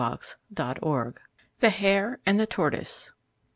He got none. The Hare And The Tortoise.